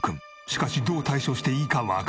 しかしどう対処していいかわからず。